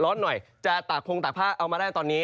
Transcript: ร้อนหน่อยจะตากพงตากผ้าเอามาได้ตอนนี้